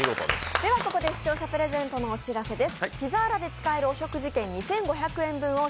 ではここで視聴者プレゼントのお知らせです。